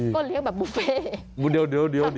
ก็เลี้ยงแบบบุฟเฟ่บูเดียว